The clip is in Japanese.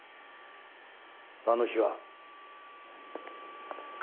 あの日は。